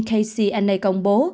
kcna công bố